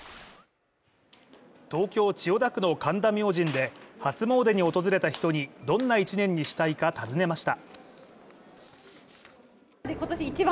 東京・千代田区の神田明神で初詣に訪れた人に、どんな一年にしたいか尋ねました。